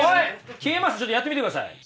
消えますちょっとやってみてください。